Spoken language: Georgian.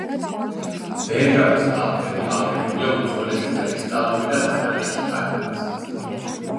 ბერგამის ალპები აგებულია უძველესი კრისტალური და დანალექი ქანებით.